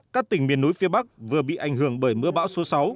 các tỉnh miền núi phía bắc vừa bị ảnh hưởng bởi mưa bão số sáu